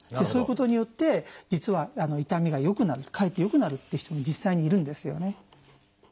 そういうことによって実は痛みが良くなるかえって良くなるっていう人も実際にいるんですよね。